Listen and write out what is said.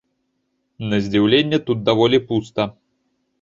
На здзіўленне, тут даволі пуста.